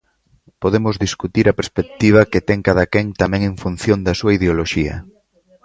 Podemos discutir a perspectiva que ten cadaquén tamén en función da súa ideoloxía.